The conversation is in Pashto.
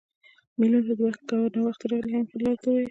مېلمه ته که ناوخته راغلی، هم ښه راغلاست ووایه.